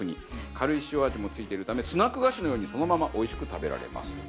軽い塩味も付いているためスナック菓子のようにそのままおいしく食べられます。